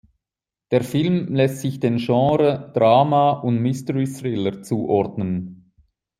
Der Film lässt sich den Genres Drama und Mystery-Thriller zuordnen.